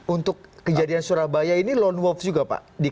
untuk kejadian surabaya ini lone wolf juga pak